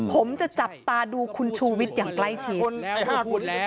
ผมจะจับตาดูคุณชูวิทย์อย่างใกล้ชิดแล้ว